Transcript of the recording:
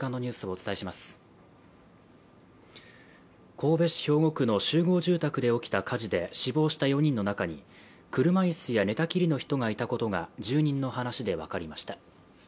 神戸市兵庫区の集合住宅で起きた火事で死亡した４人の中に車椅子や寝たきりの人がいたことが住人の話で分かりました。